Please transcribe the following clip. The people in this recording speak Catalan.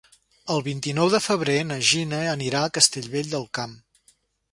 El vint-i-nou de febrer na Gina anirà a Castellvell del Camp.